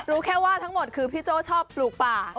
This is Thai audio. รู้แค่ว่าทั้งหมดคือพี่โจ้ชอบปลูกป่า